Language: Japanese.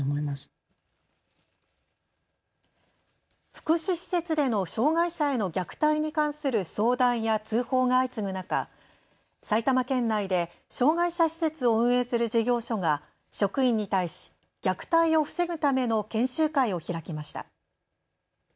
福祉施設での障害者への虐待に関する相談や通報が相次ぐ中、埼玉県内で障害者施設を運営する事業所が職員に対し虐待を防ぐための研修会を開きました。